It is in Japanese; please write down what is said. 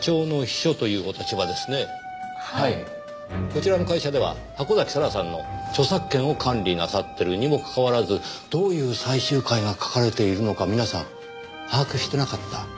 こちらの会社では箱崎咲良さんの著作権を管理なさってるにもかかわらずどういう最終回が描かれているのか皆さん把握してなかった？